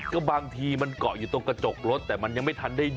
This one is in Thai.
ก็บางทีมันเกาะอยู่ตรงกระจกรถแต่มันยังไม่ทันได้